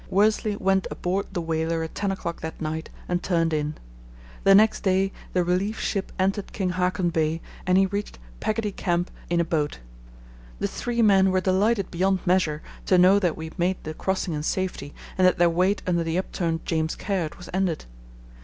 Worsley went aboard the whaler at ten o'clock that night and turned in. The next day the relief ship entered King Haakon Bay and he reached Peggotty Camp in a boat. The three men were delighted beyond measure to know that we had made the crossing in safety and that their wait under the upturned James Caird was ended.